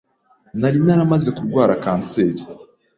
nari naramaze kurwara kanseri